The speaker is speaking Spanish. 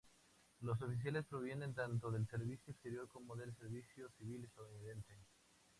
Los oficiales provienen tanto del servicio exterior como del servicio civil estadounidense.